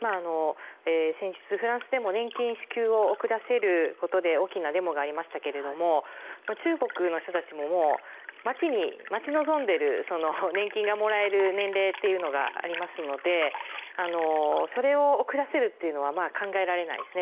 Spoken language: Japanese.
先日、フランスでも年金支給を遅らせることで大きなデモがありましたが中国の人たちももう待ち望んでいる年金がもらえる年齢というのがありますのでそれを遅らせるというのは考えられないですね。